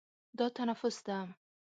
دا تنفس ده.